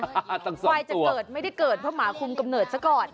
ทั้งสองตัวควายจะเกิดไม่ได้เกิดเพราะหมาคุมกำเนิดสักก่อน